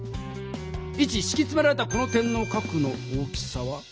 イチしきつめられたこの点の角の大きさは？